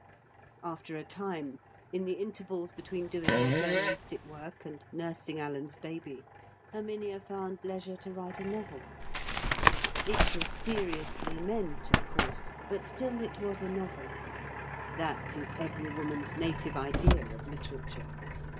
After a time, in the intervals between doing her journalistic work and nursing Alan's baby, Herminia found leisure to write a novel. It was seriously meant, of course, but still it was a novel. That is every woman's native idea of literature.